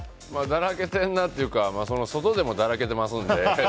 だらけてるなというか外でもだらけてますんで。